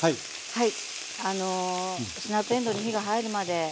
はい。